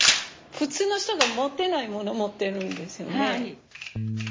普通の人が持ってないもの持ってるんですよね。